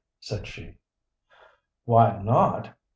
said she. "Why not?